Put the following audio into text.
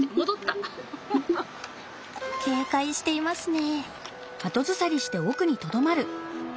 警戒していますね。